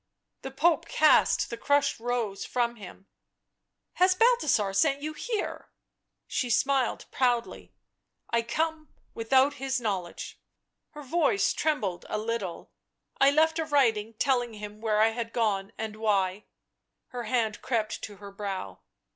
The Pope cast the crushed rose from him. " Has Balthasar sent you here?" She smiled proudly. " I come without his know ledge." Her voice trembled a little. " I left a writing telling him where I had gone and why " Her hand crept to her brow.